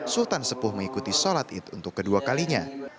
sultan sepuh mengikuti sholat idul fitri kedua kalinya